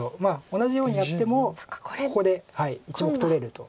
同じようにやってもここで１目取れると。